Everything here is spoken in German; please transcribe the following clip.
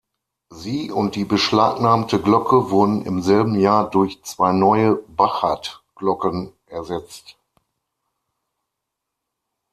Sie und die beschlagnahmte Glocke wurden im selben Jahr durch zwei neue Bachert-Glocken ersetzt.